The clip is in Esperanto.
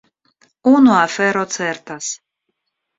Unu afero certas.